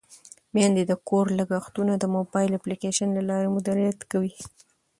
میندې د کور لګښتونه د موبایل اپلیکیشن له لارې مدیریت کوي.